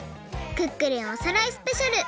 クックルンおさらいスペシャル！」。